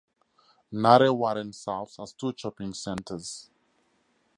Narre Warren South has two shopping centres.